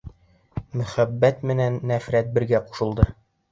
Мөхәббәт менән нәфрәт бергә ҡушылды.